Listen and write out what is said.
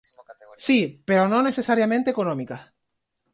Sí, pero no necesariamente económicas.